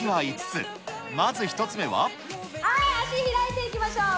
さあ、足開いていきましょう。